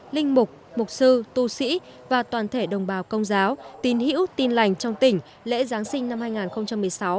linh mục mục sư tu sĩ và toàn thể đồng bào công giáo tin hữu tin lành trong tỉnh lễ giáng sinh năm hai nghìn một mươi sáu